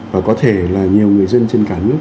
và có thể là nhiều người dân trên cả nước